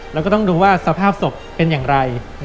แล้วก็ต้องดูว่าสภาพศพเป็นอย่างไร